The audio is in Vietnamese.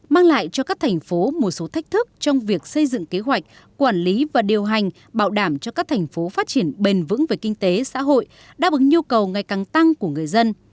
mang lại cho các thành phố một số thách thức trong việc xây dựng kế hoạch quản lý và điều hành bảo đảm cho các thành phố phát triển bền vững về kinh tế xã hội đáp ứng nhu cầu ngày càng tăng của người dân